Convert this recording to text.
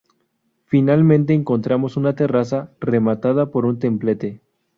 Finalmente encontramos una terraza rematada por un templete.